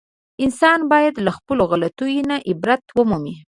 انسان باید له خپلو غلطیو نه عبرت و مومي.